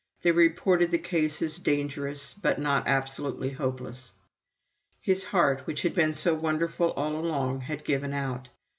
They reported the case as "dangerous, but not absolutely hopeless." His heart, which had been so wonderful all along, had given out.